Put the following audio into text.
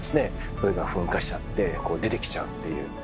それが噴火しちゃって出てきちゃうっていう。